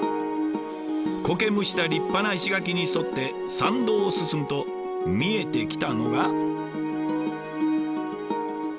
苔むした立派な石垣に沿って参道を進むと見えてきたのが。